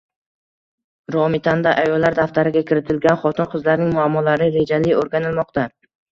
Romitanda “Ayollar daftari”ga kiritilgan xotin-qizlarning muammolari rejali o‘rganilmoqda